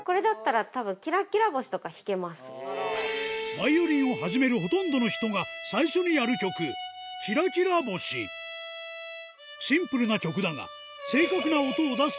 バイオリンを始めるほとんどの人が最初にやる曲シンプルな曲だがしかし